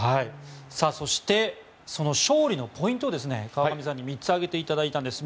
そして勝利のポイントを川上さんに３つ挙げていただきました。